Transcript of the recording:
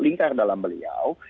lingkar dalam beliau